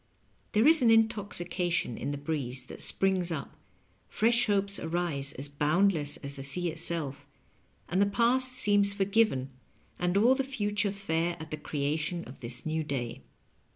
There is an intoxication in the breeze that springs up, fresh hopes arise as boundless as the sea itself, and the past seems forgiven and all tbe future fair at the creation of this new day.